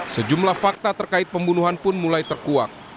sejumlah fakta terkait pembunuhan pun mulai terkuak